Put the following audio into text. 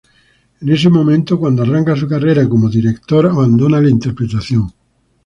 En ese momento, cuando arranca su carrera como director, abandona la interpretación.